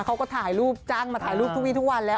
เขาก็ถ่ายรูปจ้างมาถ่ายรูปทุกวีทุกวันแล้ว